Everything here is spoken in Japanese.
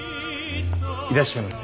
いらっしゃいませ。